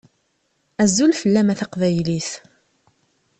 Azul fell-am a taqbaylit.